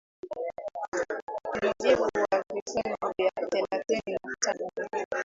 kwa mujibu wa vifungu vya thelathini na tano i